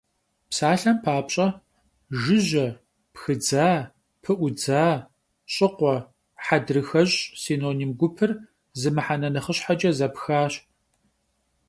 Псалъэм папщӏэ, жыжьэ, пхыдза, пыӀудза, щӀыкъуэ, хьэдрыхэщӀ – синоним гупыр зы мыхьэнэ нэхъыщхьэкӀэ зэпхащ.